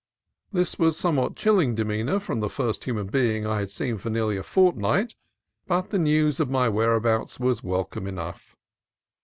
This was somewhat chilling demeanor from the first human being I had seen for nearly a fortnight ; but the news of my whereabouts was welcome enough.